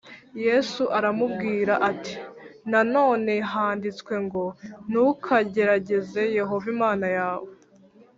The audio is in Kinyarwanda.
Yesu aramubwira ati nanone handitswe ngo ntukagerageze Yehova Imana yawe